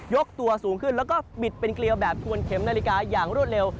กตัวสูงขึ้นแล้วก็บิดเป็นเกลียวแบบทวนเข็มนาฬิกาอย่างรวดเร็ว